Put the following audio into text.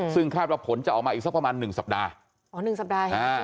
ซึ่งคาดว่าผลจะออกมาอีกสักประมาณหนึ่งสัปดาห์อ๋อหนึ่งสัปดาห์